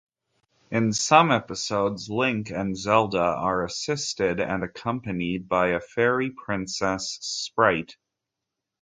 In some episodes, Link and Zelda are assisted and accompanied by a fairy-princess, Spryte.